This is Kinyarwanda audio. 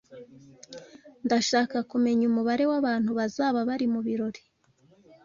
Ndashaka kumenya umubare wabantu bazaba bari mubirori.